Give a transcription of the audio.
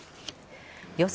予想